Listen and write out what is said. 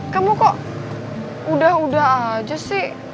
kamu kok udah udah aja sih